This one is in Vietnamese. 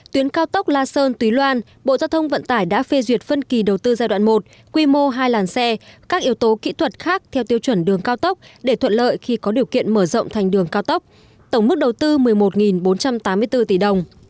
tuyến cao tốc la sơn túy loan bộ giao thông vận tải đã phê duyệt phân kỳ đầu tư giai đoạn một quy mô hai làn xe các yếu tố kỹ thuật khác theo tiêu chuẩn đường cao tốc để thuận lợi khi có điều kiện mở rộng thành đường cao tốc tổng mức đầu tư một mươi một bốn trăm tám mươi bốn tỷ đồng